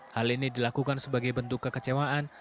hal ini dilakukan sebagai bentuk kekecewaan